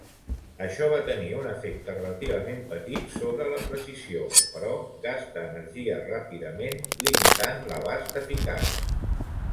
Això va tenir un efecte relativament petit sobre la precisió, però gasta energia ràpidament, limitant l'abast eficaç.